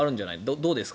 どうですか？